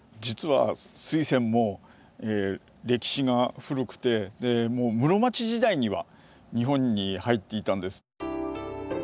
実はスイセンも歴史が古くて室町時代には日本に入っていたんです。